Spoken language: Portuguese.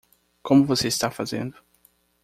Como você está fazendo?